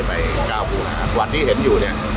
เพราะว่าเมืองนี้จะเป็นที่สุดท้าย